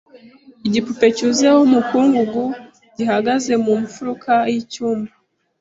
Igipupe cyuzuyeho umukungugu, gihagaze mu mfuruka y'icyumba.